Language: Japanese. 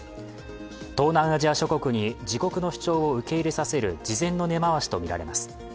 東南アジア諸国に自国の主張を受け入れさせる事前の根回しと見られます。